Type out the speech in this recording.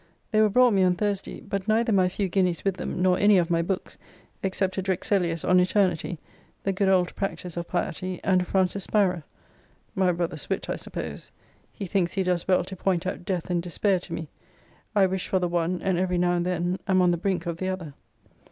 They were brought me on Thursday; but neither my few guineas with them, nor any of my books, except a Drexelius on Eternity, the good old Practice of Piety, and a Francis Spira. My brother's wit, I suppose. He thinks he does well to point out death and despair to me. I wish for the one, and every now and then am on the brink of the other.